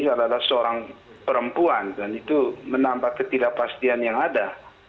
yang perempuan dan itu menambah ketidakpastian yang ada